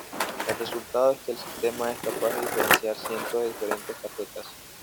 El resultado es que el sistema es capaz de diferenciar cientos de diferentes tarjetas.